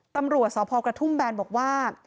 ตำรวจสพกระทุ่มแบนบอกว่า